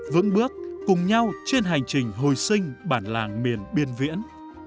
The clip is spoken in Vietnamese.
vững bước cùng nhau trên hành trình hồi sinh bản làng miền biên viễn